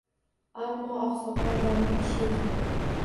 Ammo oqsoqol dono kishi ekan.